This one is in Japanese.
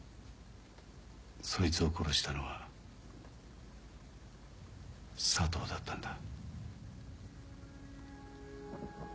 そいつを殺したのは佐藤だったんだ。